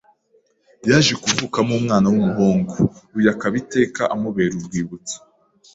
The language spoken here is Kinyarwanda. yaje kuvukamo umwana w’umuhungu, uyu akaba iteka amubera urwibutso